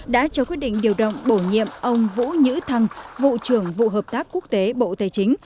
đã cho quyết định điều động bổ nhiệm ông vũ nhữ thăng vụ trưởng vụ hợp tác quốc tế bộ tài chính